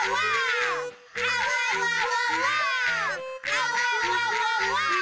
「あわわわわ」